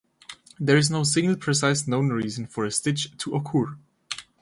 There is no single precise known reason for a stitch to occur.